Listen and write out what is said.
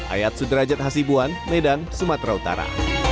ayat sudrajat hasibuan medan sumatera utara